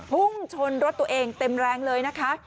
พุ่งชนรถตัวเองเต็มแรงเลยนะคะ